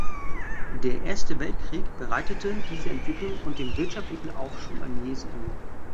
Der Erste Weltkrieg bereitete dieser Entwicklung und dem wirtschaftlichen Aufschwung ein jähes Ende.